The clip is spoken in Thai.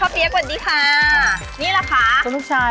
คุณพ่อเปี๊ยกสวัสดีค่ะนี่แหละค่ะคุณลูกชายค่ะ